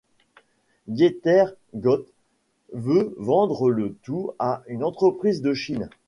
Dietter Gotte veut vendre le tout à une entreprise de Chine.